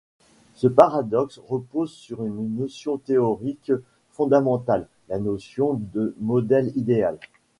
Ce paradoxe repose sur une notion théorique fondamentale, la notion de modèle idéal.